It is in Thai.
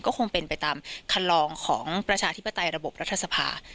ก็คงเป็นไปตามคันลองของประชาธิปไตยระบบรัฐสภา